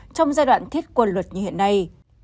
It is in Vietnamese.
trong giai đoạn thiết quân luật như hiện nay